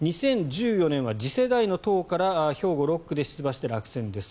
２０１４年は次世代の党から兵庫６区で出馬して落選です。